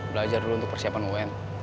belajar dulu persiapan um